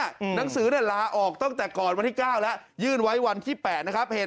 หนังสือเนี่ยลาออกตั้งแต่ก่อนวันที่๙แล้ว